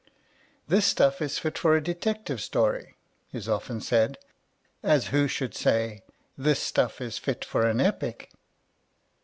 ^'This stuff is fit for a detective story," is t A Defence of Farce often said, as who should say, '* This stuff is fit for an epic."